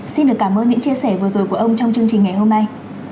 xin được cảm ơn những chia sẻ vừa rồi của ông trong chương trình ngày hôm nay